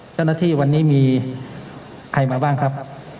เจ้านักหน้าที่วันนี้มีไม่บ้างครับ